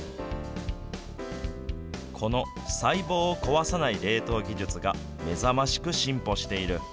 この細胞を壊さない冷凍技術が目覚ましく進歩している。